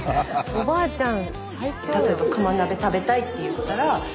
おばあちゃん